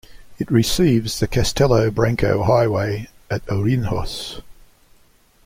It receives the Castelo Branco Highway at Ourinhos.